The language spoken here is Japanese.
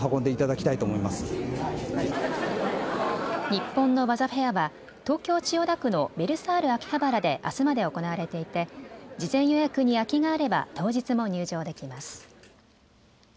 日本の技フェアは東京千代田区のベルサール秋葉原であすまで行われていて事前予約に空きがあれば当日も入場できます。